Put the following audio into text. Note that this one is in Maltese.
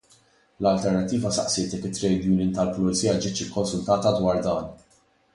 L-Alternattiva saqsiet jekk it-trade union tal-Pulizija ġietx konsultata dwar dan.